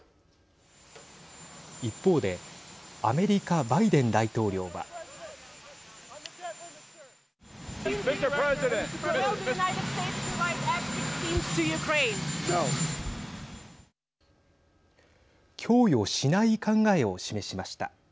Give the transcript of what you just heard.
一方でアメリカバイデン大統領は。供与しない考えを示しました。